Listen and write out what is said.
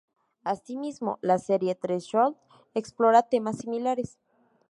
Asimismo, la serie "Threshold" explora temas similares.